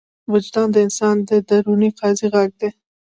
وجدان د انسان د دروني قاضي غږ دی.